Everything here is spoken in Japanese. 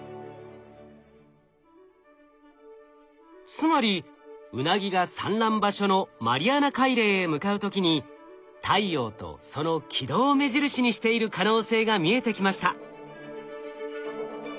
つまりウナギが産卵場所のマリアナ海嶺へ向かう時に太陽とその軌道を目印にしている可能性が見えてきました。